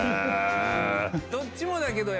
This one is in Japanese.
どっちもだけど。